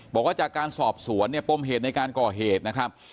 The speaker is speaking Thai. บอกว่าจากการสอบสวนเนี่ยปมเหตุในการก่อเหตุนะครับ